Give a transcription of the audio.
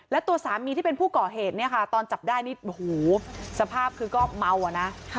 และตัวสามีที่เป็นผู้ก่อเหตุตอนจับได้นี่สภาพคือก็เมานะ